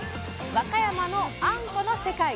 和歌山のあんこの世界。